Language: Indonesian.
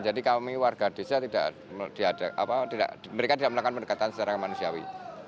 jadi kami warga desa tidak mereka tidak melakukan pendekatan secara kemanusiawi